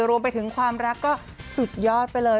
รวมไปถึงความรักก็สุดยอดไปเลย